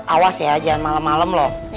awas ya jangan malem malem loh